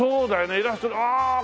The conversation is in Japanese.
イラストああ。